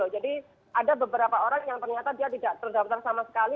jadi ada beberapa orang yang ternyata dia tidak terdaftar sama sekali